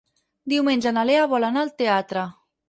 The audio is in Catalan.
Diumenge na Lea vol anar al teatre.